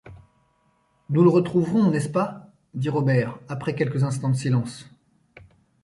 Nous le retrouverons, n’est-ce pas? dit Robert, après quelques instants de silence.